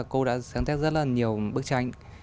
cô đã sáng tác rất là nhiều bức tranh